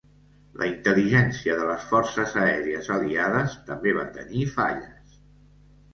La intel·ligència de les Forces Aèries Aliades també va tenir falles.